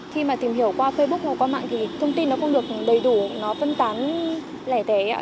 khi mà tìm hiểu qua facebook hoặc qua mạng thì thông tin nó không được đầy đủ nó phân tán lẻ tẻ ạ